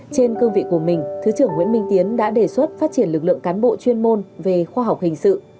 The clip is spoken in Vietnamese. trên cương vị của mình thứ trưởng nguyễn minh tiến đã đề xuất phát triển lực lượng cán bộ chuyên môn về khoa học hình sự